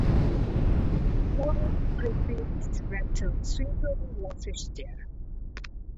Lewis Griffiths, rector of Swindon, Gloucestershire.